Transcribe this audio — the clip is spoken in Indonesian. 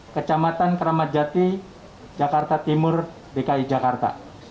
kecamatan kramatjati jakarta timur dki jakarta